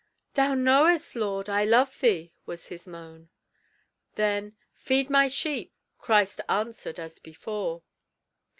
"Thou knowest, Lord, I love thee," was his moan. Then, "Feed my sheep," Christ answered as before.